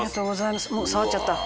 もう触っちゃった。